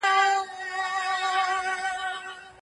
کاشکي ما پرون ورته خپل خوب ویلی وای.